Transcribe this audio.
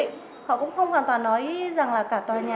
họ cũng không hoàn toàn nói rằng là cả tòa nhà